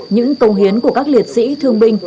những công hiến của các liệt sĩ thương binh